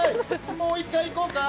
もう一回いこうか。